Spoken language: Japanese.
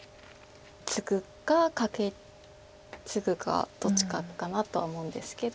ツグかカケツグかどっちかかなとは思うんですけど。